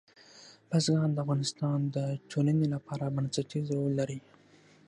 بزګان د افغانستان د ټولنې لپاره بنسټيز رول لري.